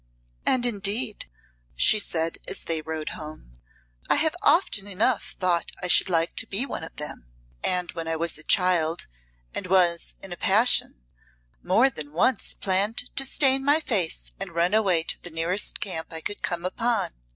"And indeed," she said, as they rode home, "I have often enough thought I should like to be one of them; and when I was a child, and was in a passion, more than once planned to stain my face and run away to the nearest camp I could come upon.